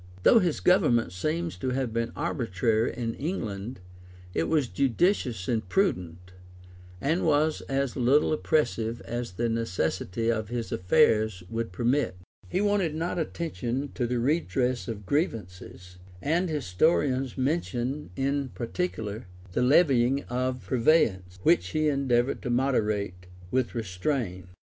Though his government seems to have been arbitrary in England, it was judicious and prudent; and was as little oppressive as the necessity of his affairs would permit. He wanted not attention to the redress of grievances; and historians mention in particular the levying of purveyance, which he endeavored to moderate and restrain.